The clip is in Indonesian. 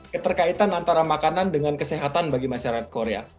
keterkaitan antara makanan dengan kesehatan bagi masyarakat korea